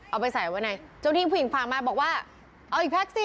เอาไปใส่ไว้ในเจ้าที่ผู้หญิงฝากมาบอกว่าเอาอีกแพ็คสิ